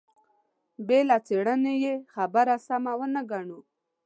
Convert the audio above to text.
بې له څېړنې يوه خبره سمه ونه ګڼو.